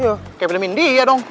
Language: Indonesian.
loh kayak film india dong